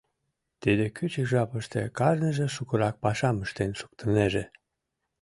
Тиде кӱчык жапыште кажныже шукырак пашам ыштен шуктынеже.